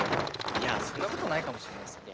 いやそんなことないかもしんないですよ。